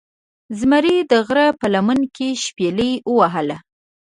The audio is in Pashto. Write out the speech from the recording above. زمرې دغره په لمن کې شپیلۍ وهله